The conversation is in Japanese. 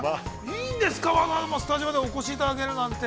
いいんですか、わざわざスタジオまでお越しいただけるなんて。